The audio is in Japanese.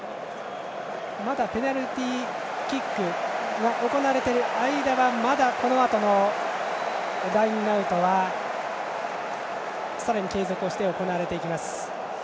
まだペナルティーキックは行われている間はまだこのあともラインアウトはさらに継続して行われていきます。